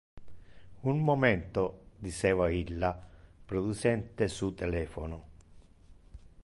"Un momento", diceva illa, producente su telephono.